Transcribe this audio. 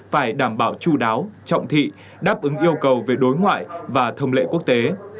hai nghìn hai mươi hai phải đảm bảo chú đáo trọng thị đáp ứng yêu cầu về đối ngoại và thông lệ quốc tế